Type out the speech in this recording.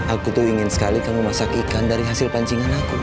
aku tuh ingin sekali kamu masak ikan dari hasil pancingan aku